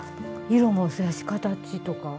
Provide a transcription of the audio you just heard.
色もそうやし形とか。